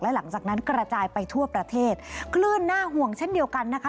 หลังจากนั้นกระจายไปทั่วประเทศคลื่นน่าห่วงเช่นเดียวกันนะคะ